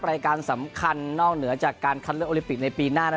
รายการสำคัญนอกเหนือจากการคัดเลือกโอลิปิกในปีหน้า